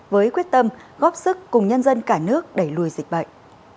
với quyết tâm góp sức cùng nhân dân cả nước đẩy lùi dịch bệnh